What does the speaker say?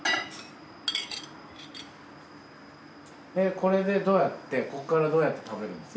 これでどうやってこっからどうやって食べるんですか？